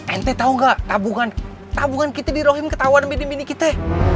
ente tau gak tabungan kita dirohim ketawaran bini bini kita